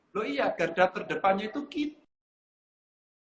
loh iya garda terdepannya itu kita